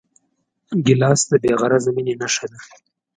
ګیلاس د بېغرضه مینې نښه ده.